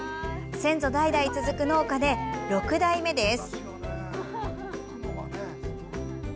先祖代々続く農家で、６代目です。